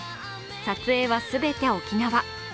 撮影は全て沖縄。